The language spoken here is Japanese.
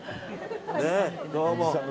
ねえ、どうも。